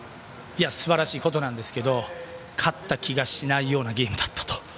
すばらしいことなんですが勝った気がしないようなゲームだったと。